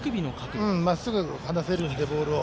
まっすぐ離せるんで、ボールを。